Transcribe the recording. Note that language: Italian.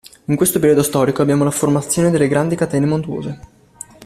In questo periodo storico abbiamo la formazione delle grandi catene montuose.